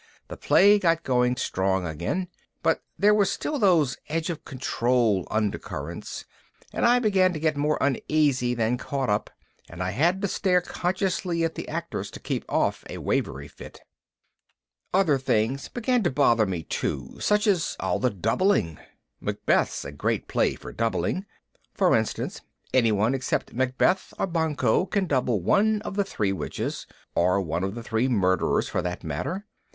The play got going strong again. But there were still those edge of control undercurrents and I began to be more uneasy than caught up, and I had to stare consciously at the actors to keep off a wavery fit. Other things began to bother me too, such as all the doubling. Macbeth's a great play for doubling. For instance, anyone except Macbeth or Banquo can double one of the Three Witches or one of the Three Murderers for that matter.